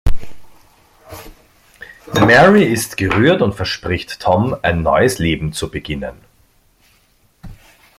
Mary ist gerührt und verspricht Tom, ein neues Leben zu beginnen.